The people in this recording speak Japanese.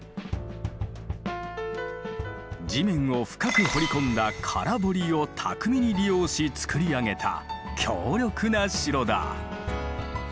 地面を深く掘り込んだ空堀を巧みに利用し造り上げた強力な城だ。